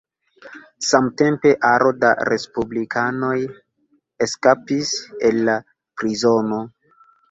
Samtempe aro da respublikanoj eskapis el la prizono.